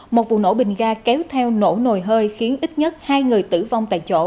một vụ nổ bình ga kéo theo nổ nồi hơi khiến ít nhất hai người tử vong tại chỗ